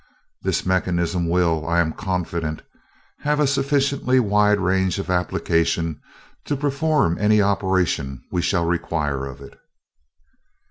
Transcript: This mechanism will, I am confident, have a sufficiently wide range of application to perform any operation we shall require of it."